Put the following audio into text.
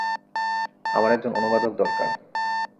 আমার একজন অনুবাদক দরকার।